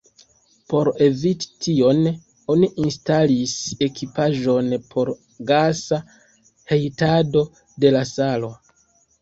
Por eviti tion, oni instalis ekipaĵon por gasa hejtado de la salo.